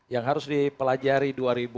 yang harus dipelajari dua ribu dua puluh